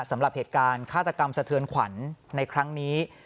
สำหรับเหตุการณ์ฆาตกรรมสะเทือนขวัญในครั้งนี้